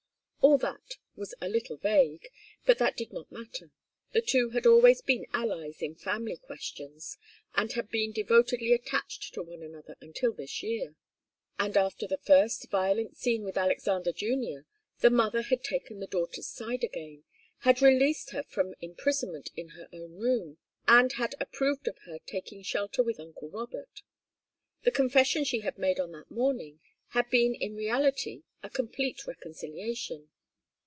All that was a little vague, but that did not matter. The two had always been allies in family questions, and had been devotedly attached to one another until this year. And after the first violent scene with Alexander Junior, the mother had taken the daughter's side again, had released her from imprisonment in her own room, and had approved of her taking shelter with uncle Robert. The confession she had made on that morning had been in reality a complete reconciliation.